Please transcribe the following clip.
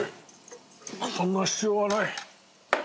そんな必要はない